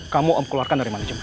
kamu keluarkan dari manajemen